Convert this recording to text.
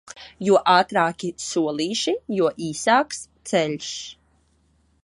Jo ātrāki solīši, jo īsāks ceļš.